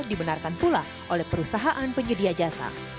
dibenarkan pula oleh perusahaan penyedia jasa